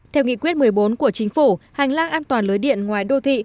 theo nghị quyết một mươi bốn của chính phủ hành lang an toàn lưới điện ngoài đô thị